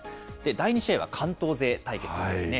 第２試合は関東勢対決ですね。